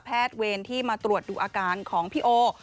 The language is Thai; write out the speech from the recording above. แพทย์เวรที่มาตรวจดูอาการของพี่โอว์